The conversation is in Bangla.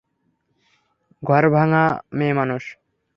ঘর ভাঙা মেয়েমানুষ!